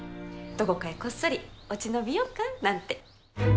どこかへこっそり落ち延びようかなんて。